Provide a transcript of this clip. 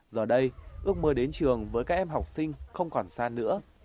giờ đây ước mơ đến trường với các em học sinh không còn xa nữa